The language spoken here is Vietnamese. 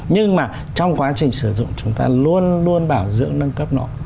nhưng mà trong quá trình sử dụng chúng ta luôn luôn bảo dưỡng nâng cấp nó